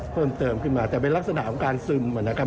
เพิ่มเติมขึ้นมาแต่เป็นลักษณะของการซึมนะครับ